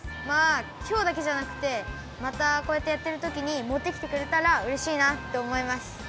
まあきょうだけじゃなくてまたこうやってやってるときに持ってきてくれたらうれしいなっておもいます。